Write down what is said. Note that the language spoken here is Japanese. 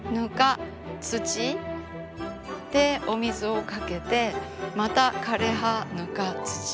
土でお水をかけてまた枯れ葉ぬか土。